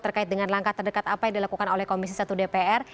terkait dengan langkah terdekat apa yang dilakukan oleh komisi satu dpr